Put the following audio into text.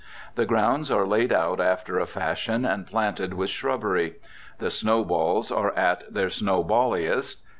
The grounds are laid out after a fashion, and planted with shrubbery. The snowballs are at their snowballiest.....